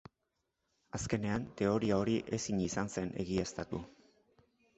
Azkenean teoria ori ezin izan zen egiaztatu.